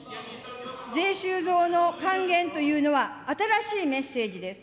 税収増の還元というのは新しいメッセージです。